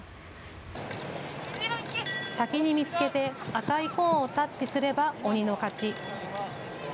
先に見つけて赤いコーンをタッチすれば鬼の勝ち。